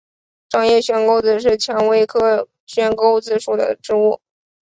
掌叶悬钩子是蔷薇科悬钩子属的植物。